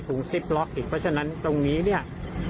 ๑๐ล็อกอีกเพราะฉะนั้นตรงนี้เนี่ย